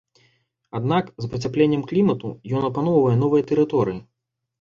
Аднак з пацяпленнем клімату ён апаноўвае новыя тэрыторыі.